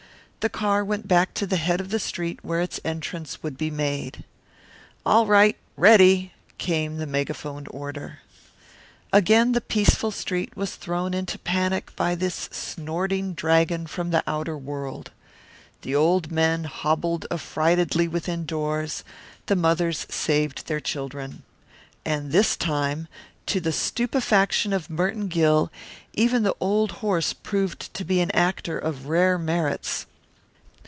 The car went back to the head of the street where its entrance would be made. "All right ready!" came the megaphoned order. Again the peaceful street was thrown into panic by this snorting dragon from the outer world. The old men hobbled affrightedly within doors, the mothers saved their children. And this time, to the stupefaction of Merton Gill, even the old horse proved to be an actor of rare merits.